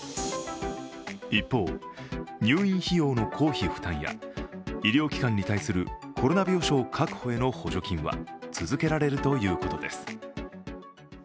一方、入院費用の公費負担や医療機関に対するコロナ病床確保への補助金は続けられるということです。